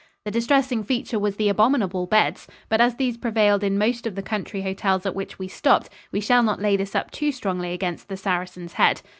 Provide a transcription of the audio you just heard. The distressing feature was the abominable beds, but as these prevailed in most of the country hotels at which we stopped we shall not lay this up too strongly against the Saracen's Head.